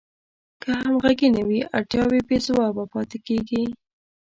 که همغږي نه وي اړتیاوې بې ځوابه پاتې کیږي.